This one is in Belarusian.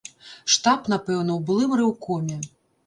Штаб, напэўна, у былым рэўкоме.